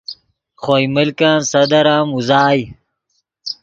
خوئے ملکن صدر ام اوزائے